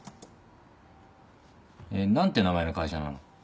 何て名前の会社なの？